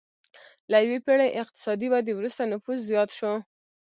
له یوې پېړۍ اقتصادي ودې وروسته نفوس زیات شو.